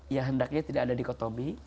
ya hendaknya tidak ada dikotomi